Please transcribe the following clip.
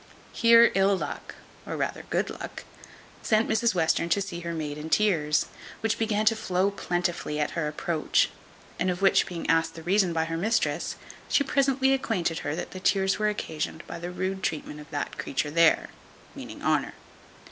Here ill luck, or rather good luck, sent Mrs Western to see her maid in tears, which began to flow plentifully at her approach; and of which being asked the reason by her mistress, she presently acquainted her that her tears were occasioned by the rude treatment of that creature there meaning Honour.